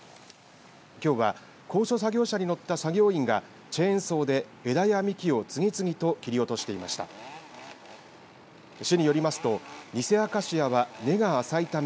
きょうは高所作業車に乗った作業員がチェーンソーで枝や幹を次々と切り落としていました。